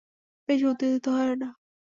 বেশি উত্তেজিত হয়ো না।